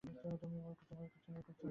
তুমিও ভুল করছো?